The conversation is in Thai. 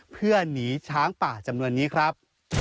เพื่อหนีช้างป่าจำนวนนี้ครับ